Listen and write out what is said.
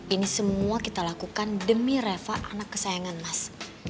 ini semua kita lakukan demi reva anak kesayangan mas